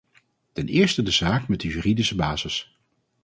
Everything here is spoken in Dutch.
Ten eerste de zaak met de juridische basis.